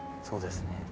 そうですね。